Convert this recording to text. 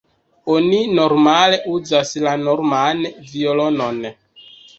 Oni normale uzas la norman violonon.